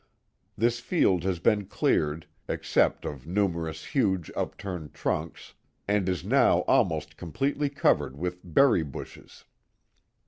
This field has been cleared, except of numerous huge upturned trunks, and is now almost completely covered with berry bushes.